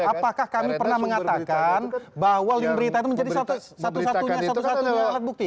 apakah kami pernah mengatakan bahwa link berita itu menjadi satu satunya satu satunya alat bukti